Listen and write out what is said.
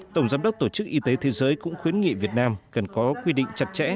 tổng giám đốc tổ chức y tế thế giới cũng khuyến nghị việt nam cần có quy định chặt chẽ